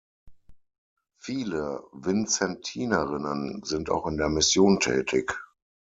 Viele Vinzentinerinnen sind auch in der Mission tätig.